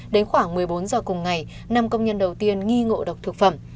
đến khoảng một mươi bốn giờ cùng ngày năm công nhân đầu tiên nghi ngộ độc thực phẩm